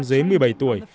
dưới một mươi bảy tuổi